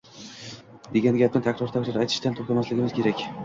degan gapni takror-takror aytishdan to‘xtamasligimiz kerak.